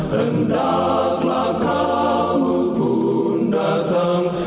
hendaklah kamu pun datang